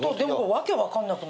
訳分かんなく。